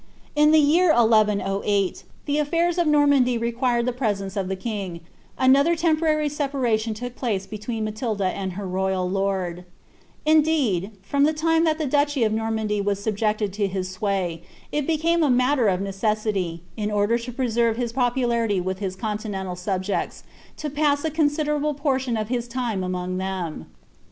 In the year 1108, the afiirs of Normandy requiring the presence of the king, another temporary separation took place between Matilda and her ro^ lord* Indeed, from the time that the duchy of Normandy was subjected to his sway, it became a matter of necessity, in order to pre serve his popularity with his continental subjects, to pass a considerable portion of his time among them.